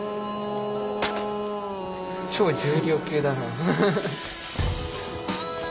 超重量級だな。